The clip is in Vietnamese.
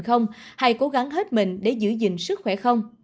bác sĩ đã đưa ra lời khuyên cho bệnh nhân hay cố gắng hết mình để giữ gìn sức khỏe không